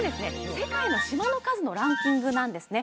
世界の島の数のランキングなんですね